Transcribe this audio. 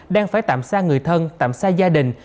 đang phải tạm xa người thân tạm xa gia đình